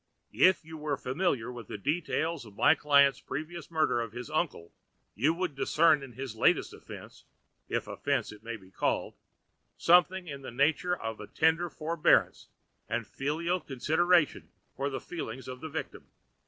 If you were familiar with the details of my client's previous murder of his uncle you would discern in his later offense (if offense it may be called) something in the nature of tender forbearance and filial consideration for the feelings of the victim.